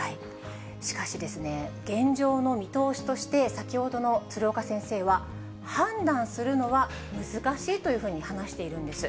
しかしですね、現状の見通しとして、先ほどの鶴岡先生は、判断するのは難しいというふうに話しているんです。